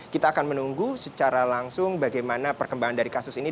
kita akan menunggu secara langsung bagaimana perkembangan dari kasus ini